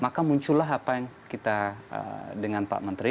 maka muncullah apa yang kita dengan pak menteri